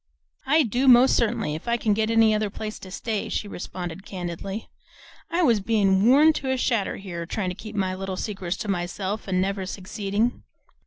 "I do most certainly, if I can get any other place to stay," she responded candidly. "I was bein' worn to a shadder here, tryin' to keep my little secrets to myself, an' never succeedin'.